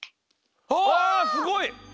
あすごい！